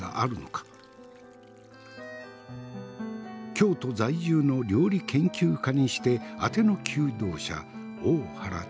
京都在住の料理研究家にしてあての求道者大原千鶴。